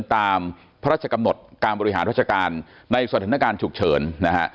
ตามพระราชกำหนดการบริหารราชการในสถานการณ์ฉุกเฉินนะฮะ